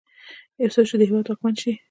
يو څوک چې د هېواد واکمن شي.